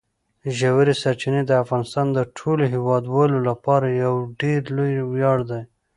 ژورې سرچینې د افغانستان د ټولو هیوادوالو لپاره یو ډېر لوی ویاړ دی.